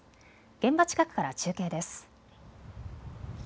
現場近くから中継です。